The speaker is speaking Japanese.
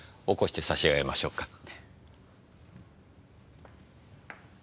起こしてさしあげましょうか。